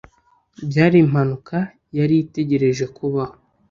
byari impanuka yari itegereje kubaho